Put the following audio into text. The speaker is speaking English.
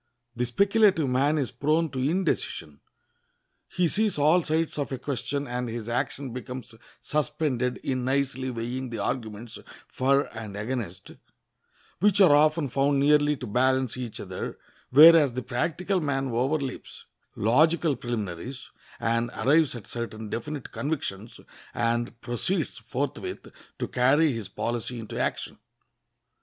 The speculative man is prone to indecision; he sees all sides of a question, and his action becomes suspended in nicely weighing the arguments for and against, which are often found nearly to balance each other; whereas the practical man overleaps logical preliminaries and arrives at certain definite convictions, and proceeds forthwith to carry his policy into action.